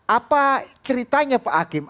apa ceritanya pak akim